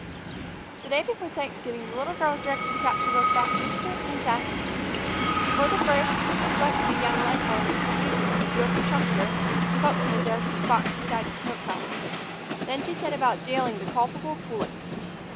The day before Thanksgiving the little girl was directed to capture both the rooster and Sassy. For the first, she selected a young leghorn that she believed to be the guilty trumpeter and poked him into a box coop beside the smoke house. Then she set about jailing the culpable pullet.